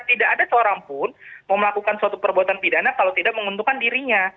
tidak ada seorang pun mau melakukan suatu perbuatan pidana kalau tidak menguntungkan dirinya